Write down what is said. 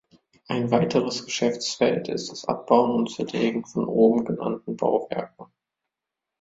Ein weiteres Geschäftsfeld ist das Abbauen und Zerlegen von obengenannten Bauwerken.